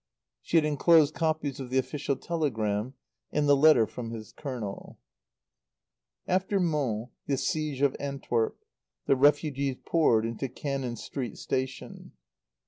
She had enclosed copies of the official telegram; and the letter from his Colonel. After Mons, the siege of Antwerp. The refugees poured into Cannon Street Station.